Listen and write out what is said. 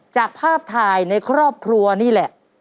จากภาพถ่ายในครอบครัวนี่แหละ